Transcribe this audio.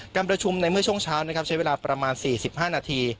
การประชุมในเมื่อช่วงเช้านะครับใช้เวลาประมาณ๔๕นาที